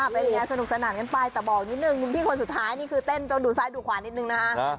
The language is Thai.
เป็นไงสนุกสนานกันไปแต่บอกนิดนึงคุณพี่คนสุดท้ายนี่คือเต้นเจ้าดูซ้ายดูขวานิดนึงนะคะ